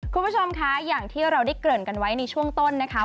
คุณผู้ชมคะอย่างที่เราได้เกริ่นกันไว้ในช่วงต้นนะคะ